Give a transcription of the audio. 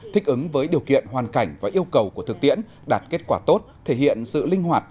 thích ứng với điều kiện hoàn cảnh và yêu cầu của thực tiễn đạt kết quả tốt thể hiện sự linh hoạt